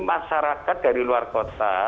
masyarakat dari luar kota